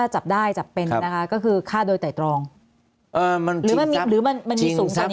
จับเป็นนะคะก็คือฆ่าโดยไต่ตรองเออมันหรือมันหรือมันมันมีส่วน